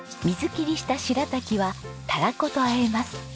水切りしたしらたきはたらことあえます。